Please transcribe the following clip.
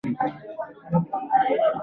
Roy anapenda kuzungumza kiswahili